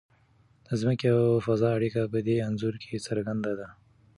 د ځمکې او فضا اړیکه په دې انځور کې څرګنده ده.